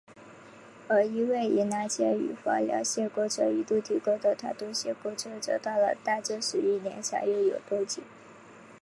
而因为宜兰线与枋寮线工程一度停工的台东线工程则到了大正十一年才又有动静。